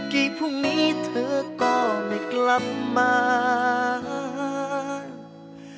พรุ่งนี้เธอก็ไม่กลับมา